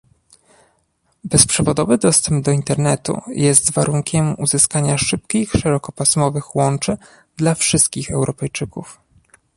Bezprzewodowy dostęp do Internetu jest warunkiem uzyskania szybkich szerokopasmowych łączy dla wszystkich Europejczyków